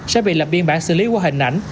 sẽ bị lập biên bản xử lý qua hình ảnh